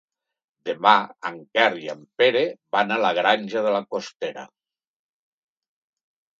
Demà en Quer i en Pere van a la Granja de la Costera.